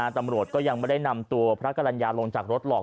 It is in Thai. ตำรวจก็ยังไม่ได้นำตัวพระกรรณญาลงจากรถหรอก